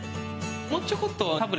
もうちょこっと。